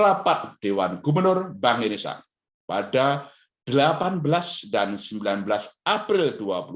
rapat dewan gubernur bangir nisang pada delapan belas dan sembilan belas april dua puluh dua